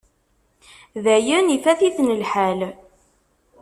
Dayen, ifat-iten lḥal.